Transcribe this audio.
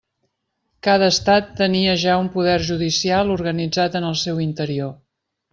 Cada estat tenia ja un poder judicial organitzat en el seu interior.